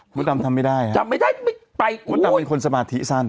คุณตำทำไม่ได้ครับคุณตำเป็นคนสมาธิสั้น